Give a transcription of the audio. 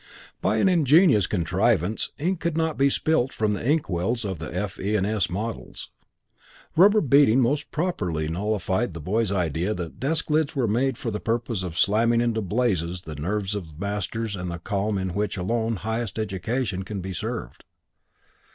By an ingenious contrivance ink could not be spilt from the inkwells of the "F.E. & S." models; rubber beading most properly nullified the boyish idea that desk lids were made for the purpose of slamming to blazes the nerves of masters and the calm in which alone high education can be served.